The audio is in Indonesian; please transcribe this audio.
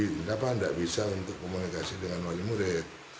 kenapa tidak bisa untuk komunikasi dengan wali murid